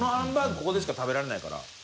ここでしか食べられないから。